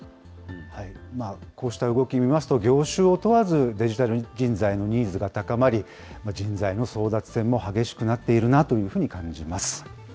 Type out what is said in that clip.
こうした動き見ますと、業種を問わずデジタル人材のニーズが高まり、人材の争奪戦も激しくなっているなというふうに感じます。